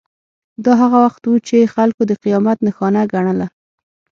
دا هغه څه وو چې خلکو د قیامت نښانه ګڼله.